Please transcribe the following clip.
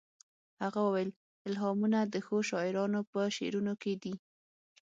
هغه وویل الهامونه د ښو شاعرانو په شعرونو کې دي